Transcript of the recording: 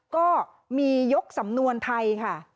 ก็มียกสำนวนไทยค่ะ